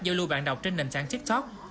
giao lưu bản đọc trên nền tảng tiktok